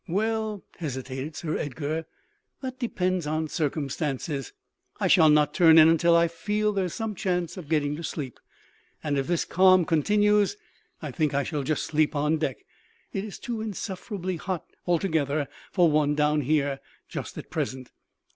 "Well," hesitated Sir Edgar, "that depends on circumstances. I shall not turn in until I feel that there is some chance of getting to sleep. And if this calm continues I think I shall sleep on deck; it is too insufferably hot altogether for one down here, just at present.